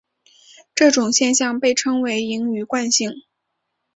这种现象被称为盈余惯性。